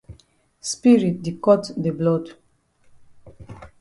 Spirit di cut de blood.